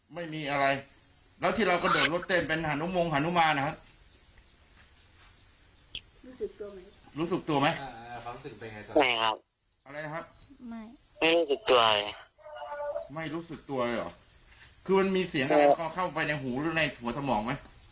ไม่มีครับก็ไม่รู้สึกตัวจริง